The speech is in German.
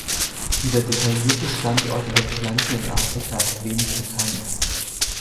Über detaillierte Standorte der Pflanze in Afrika ist wenig bekannt.